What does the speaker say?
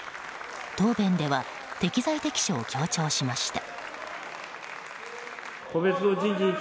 答弁では適材適所を強調しました。